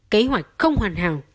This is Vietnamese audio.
kế hoạch không hoàn hảo